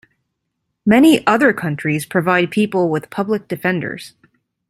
Many other countries provide people with public defenders.